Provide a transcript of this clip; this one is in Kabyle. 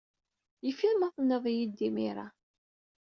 Yif-it ma tenniḍ-iyi-d imir-a.